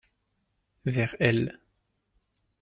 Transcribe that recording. Vers elle.